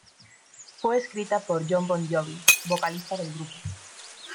Fue escrita por Jon Bon Jovi, vocalista del grupo.